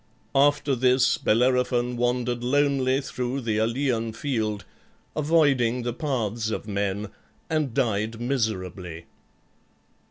After this Bellerophon wandered lonely through the Aleian field, avoiding the paths of men, and died miserably.